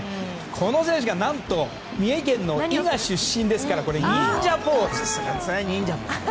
この選手が何と三重県の伊賀出身ですから忍者ポーズです。